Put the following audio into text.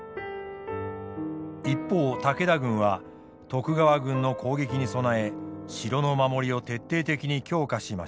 一方武田軍は徳川軍の攻撃に備え城の守りを徹底的に強化しました。